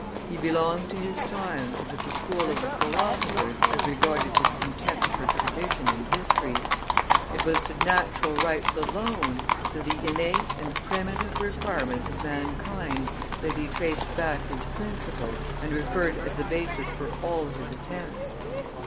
He belonged to his times and to the school of the philosophers as regarded his contempt for tradition and history; it was to natural rights alone, to the innate and primitive requirements of mankind, that he traced back his principles and referred as the basis for all his attempts.